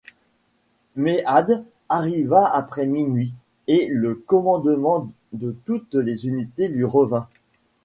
Meade arriva après minuit et le commandement de toutes les unités lui revint.